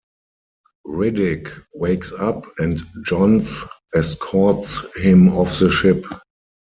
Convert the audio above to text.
Riddick wakes up and Johns escorts him off the ship.